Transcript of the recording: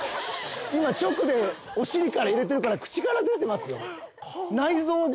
いま直でお尻から入れてるから口から出てますよ。